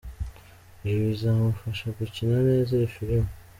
Ibi bizamufasha gukina neza iyi filime.